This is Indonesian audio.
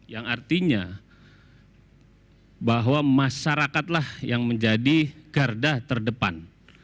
yang artinya bahwa masyarakatlah yang menjadi garda terdepan